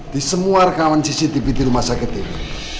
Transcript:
di semua rekaman cctv di rumah sakit ini